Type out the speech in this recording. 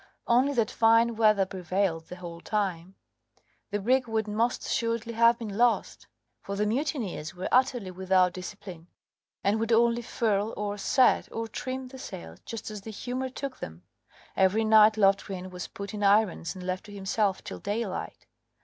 Only that fine weather prevailed the whole time, the brig would most assuredly have been lost, for the mutineers were utterly without discipline, and would only furl, or set, or trim the sails just as the humour took them. Every night Loftgreen was put in irons and left to himself till daylight.